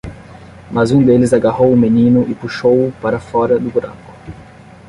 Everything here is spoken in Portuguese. Mas um deles agarrou o menino e puxou-o para fora do buraco.